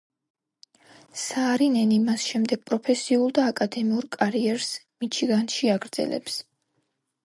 საარინენი მას შემდეგ პროფესიულ და აკადემიურ კარიერს მიჩიგანში აგრძელებს.